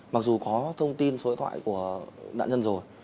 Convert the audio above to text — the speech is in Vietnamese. mặc dù có thông tin số điện thoại của đại nhân rồi